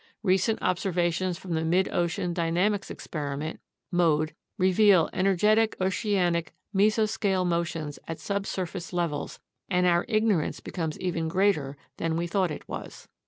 Recent observations from the Mid ocean Dynamics Ex periment (mode) reveal energetic oceanic mesoscale motions at sub surface levels, and our ignorance becomes even greater than we thought it was.